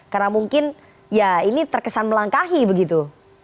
karena mungkin ya ini terkesan melangkahi begitu